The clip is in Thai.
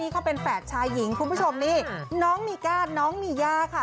คุณผู้ชมนี่น้องมีก้าน้องมียาค่ะ